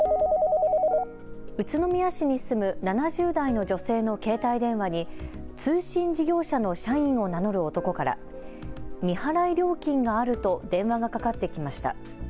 宇都宮市に住む７０代の女性の携帯電話に通信事業者の社員を名乗る男から未払い料金があると電話がかかってきました。